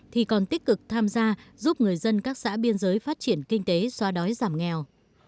thì còn tích cực tham gia giúp người dân các xã biên giới phát triển kinh tế xoa đói giảm nghèo